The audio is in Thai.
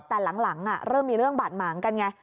แต่หลังเริ่มมีเรื่องบาดหมางกันไง